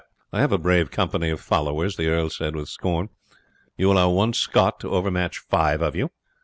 "I have a brave company of followers!" the earl said with scorn. "You allow one Scot to overmatch five of you!